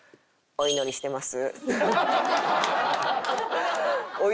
「お祈りしてます」。